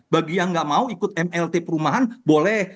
bagi yang nggak mau ikut mlt perumahan boleh